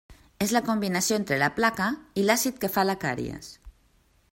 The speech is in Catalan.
És la combinació entre la placa i l'àcid que fa la càries.